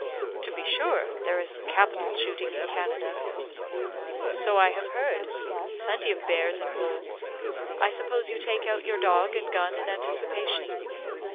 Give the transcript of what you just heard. "To be sure; there is capital shooting in Canada." "So I have heard plenty of bears and wolves. I suppose you take out your dog and gun in anticipation?"